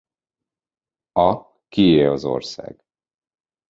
A Kié az ország?